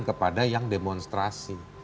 kepada yang demonstrasi